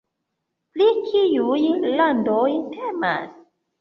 Pri kiuj landoj temas?